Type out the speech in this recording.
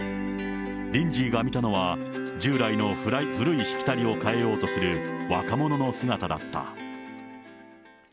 リンジーが見たのは、従来の古いしきたりを変えようとする若者の姿だった。